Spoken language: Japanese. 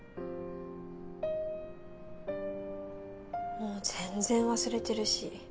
もう全然忘れてるし。